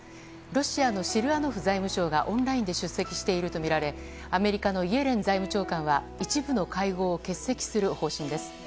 ロシアのシルアノフ財務相がオンラインで出席しているとみられアメリカのイエレン財務長官は一部の会合を欠席する方針です。